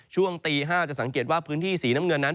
ช่วงตี๕จะสังเกตว่าพื้นที่สีน้ำเงินนั้น